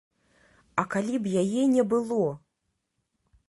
А калі б яе не было?